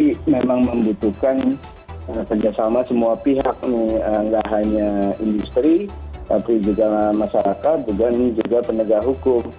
jadi memang membutuhkan kerjasama semua pihak nggak hanya industri tapi juga masyarakat juga penegak hukum